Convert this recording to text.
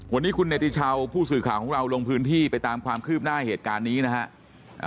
วันนี้คุณเนติชาวผู้สื่อข่าวของเราลงพื้นที่ไปตามความคืบหน้าเหตุการณ์นี้นะฮะ